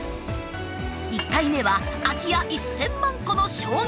１回目は「空き家１，０００万戸の衝撃」。